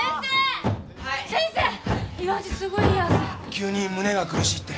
急に胸が苦しいって。